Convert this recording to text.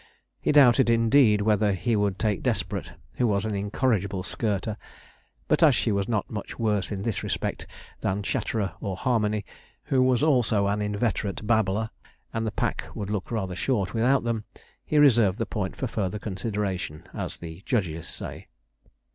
He doubted, indeed, whether he would take Desperate, who was an incorrigible skirter; but as she was not much worse in this respect than Chatterer or Harmony, who was also an inveterate babbler, and the pack would look rather short without them, he reserved the point for further consideration, as the judges say.